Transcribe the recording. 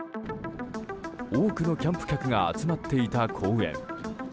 多くのキャンプ客が集まっていた公園。